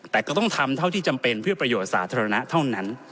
แต่ก็ต้องทำเท่าที่จำเป็นเพื่อประโยชน์สาธารณะเท่านั้น